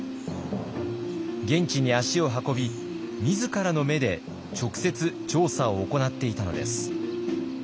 現地に足を運び自らの目で直接調査を行っていたのです。